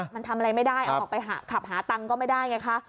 มันทำอะไรไม่ได้เอาออกไปขับหาตังค์ก็ไม่ได้ไงคะ